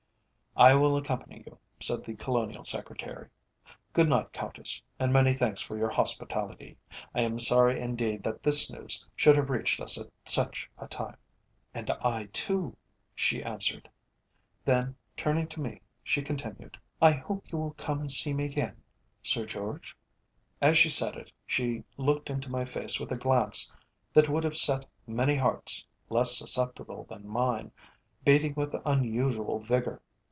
"I will accompany you," said the Colonial Secretary. "Good night, Countess, and many thanks for your hospitality. I am sorry indeed that this news should have reached us at such a time." "And I too," she answered. Then, turning to me, she continued: "I hope you will come and see me again, Sir George?" As she said it, she looked into my face with a glance that would have set many hearts, less susceptible than mine, beating with unusual vigour.